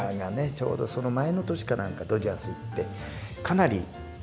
ちょうどその前の年かなんかドジャース行ってかなり投げたと。